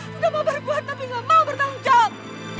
sudah mau berbuat tapi nggak mau bertanggung jawab